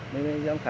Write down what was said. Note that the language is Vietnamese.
năm thứ hai mươi ba